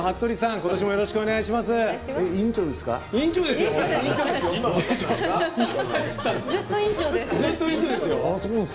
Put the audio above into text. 今年もよろしくお願いします。